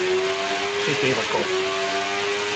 She gave a gulp.